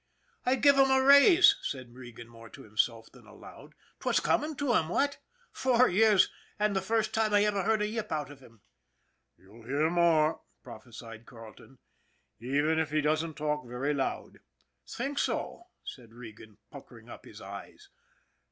" I give him the raise," said Regan, more to himself than aloud. " 'Twas coming to him, what ? Four years, and the first time I ever heard a yip out of him." ''' You'll hear more," prophesied Carleton ;" even if he doesn't talk very loud." " Think so ?" said Regan, puckering up his eyes.